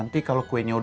yang baik positive